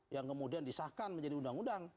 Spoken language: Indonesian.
yang kemudian disahkan menjadi undang undang